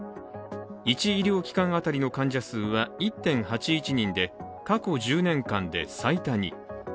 １医療機関当たりの患者数は１．８１人で、過去１０年間で最多に。